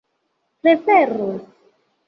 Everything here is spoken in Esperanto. preferus